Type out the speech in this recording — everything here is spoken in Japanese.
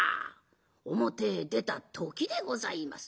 表へ出た時でございます。